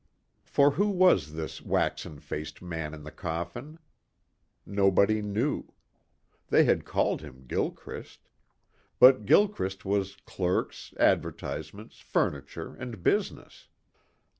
For who was this waxen faced man in the coffin? Nobody knew. They had called him Gilchrist. But Gilchrist was clerks, advertisements, furniture, and business.